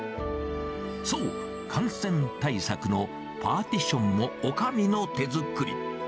そう、感染対策のパーティションもおかみの手作り。